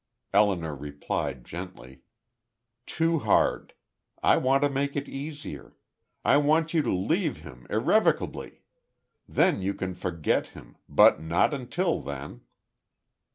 Elinor replied, gently: "Too hard. I want to make it easier. I want you to leave him irrevocably. Then you can forget him; but not until then."